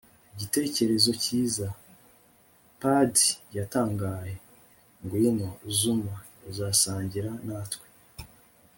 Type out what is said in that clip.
igitekerezo cyiza! padi yatangaye. ngwino, zuma, uzasangira natwe